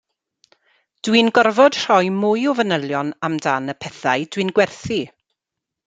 Dwi'n gorfod rhoi mwy o fanylion amdan y pethau dwi'n gwerthu